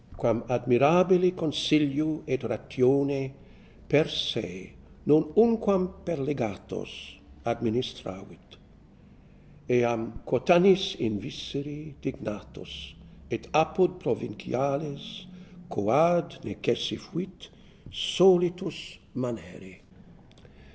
Q,uam admirabili consilio et ratione Per se, non.unquam per legates, administravit ; Earn quotannis invisere dignatus, Et apud provinciales, quoad necesse fuit, Solitus manere.